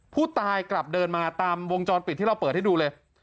ผู้ตายกลับเดินมาตามวงจรปิดที่เราเปิดให้ดูเลย